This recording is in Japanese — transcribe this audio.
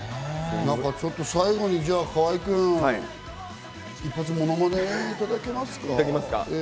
最後に河合君、一発ものまねをいただけますか？